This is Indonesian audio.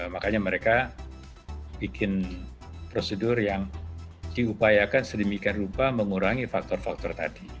makanya mereka bikin prosedur yang diupayakan sedemikian rupa mengurangi faktor faktor tadi